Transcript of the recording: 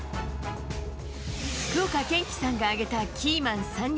福岡堅樹さんが挙げたキーマン３人。